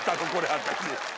私。